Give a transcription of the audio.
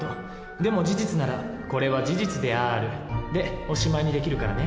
でも事実なら「これは事実である」でおしまいにできるからね。